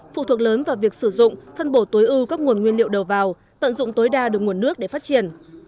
phụ thuộc lớn vào việc sử dụng phân bổ tối ưu các nguồn nguyên liệu đầu vào tận dụng tối đa được nguồn nước để phát triển